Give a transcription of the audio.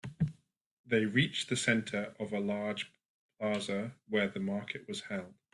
They reached the center of a large plaza where the market was held.